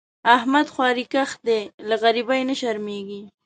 احمد خواریکښ دی؛ له غریبۍ نه شرمېږي.